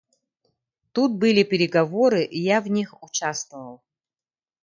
Тут были переговоры, и я в них участвовал.